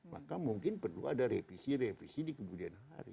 maka mungkin perlu ada revisi revisi di kemudian hari